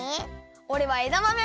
おれはえだまめ！